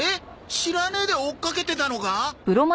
知らねえで追っかけてたのが？